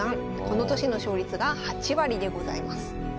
この年の勝率が８割でございます。